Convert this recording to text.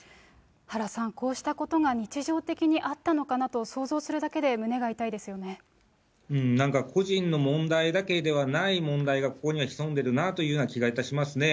原さん、こうしたことが日常的にあったのかなと想像するだけで胸が痛いでなんか、個人の問題だけではない問題がここには潜んでいるなという気がいたしますね。